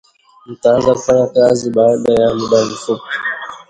Mtaanza kufanya kazi baada ya muda mfupi